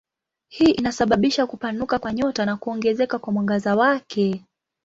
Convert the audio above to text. Hii inasababisha kupanuka kwa nyota na kuongezeka kwa mwangaza wake.